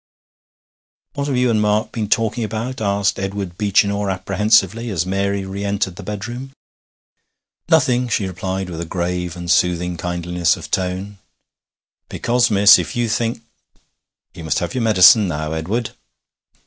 'What have you and Mark been talking about?' asked Edward Beechinor apprehensively as Mary re entered the bedroom. 'Nothing,' she replied with a grave and soothing kindliness of tone. 'Because, miss, if you think ' 'You must have your medicine now, Edward.'